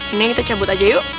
ini kita cabut aja yuk